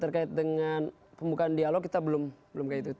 terkait dengan pembukaan dialog kita belum kayak itu